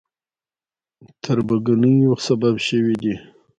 تربګنیو سبب شوي دي.